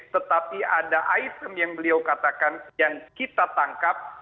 tetapi ada item yang beliau katakan yang kita tangkap